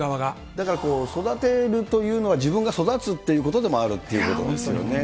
だからこう、育てるというのが自分が育つということでもあるということですよいや、本当。